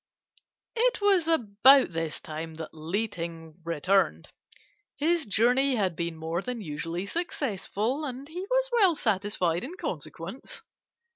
"It was about this time that Li Ting returned. His journey had been more than usually successful, and he was well satisfied in consequence.